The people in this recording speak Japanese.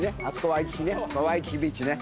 ワイキキビーチね。